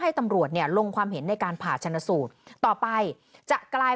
ตำรวจเนี่ยลงความเห็นในการผ่าชนสูตรต่อไปจะกลาย